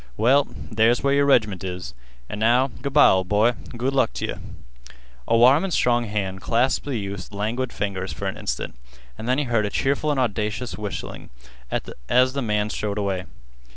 "Well, there's where your reg'ment is. An' now, good by, ol' boy, good luck t' yeh." A warm and strong hand clasped the youth's languid fingers for an instant, and then he heard a cheerful and audacious whistling as the man strode away.